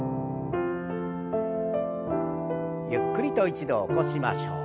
ゆっくりと一度起こしましょう。